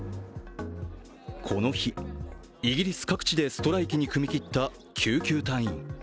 この日、イギリス各地でストライキに踏み切った救急隊員。